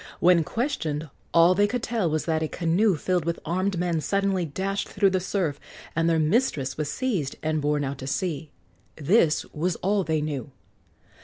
When questioned, all they could tell was that a canoe filled with armed men suddenly dashed through the surf, and their mistress was seized and borne out to sea. This was all they knew.